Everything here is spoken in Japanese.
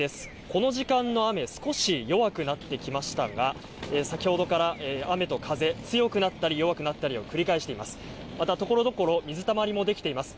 この時間の雨、少し弱くなってきましたが、先ほどから雨と風、強くなったり弱くなったりを繰り返しています。